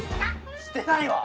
してないわ！